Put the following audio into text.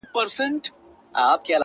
• سي خوراک د توتکیو د مرغانو,